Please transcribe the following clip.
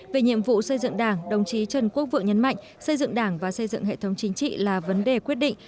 về nhiệm vụ xây dựng đảng đồng chí trần quốc vượng nhấn mạnh xây dựng đảng và xây dựng hệ thống chính trị là vấn đề quyết định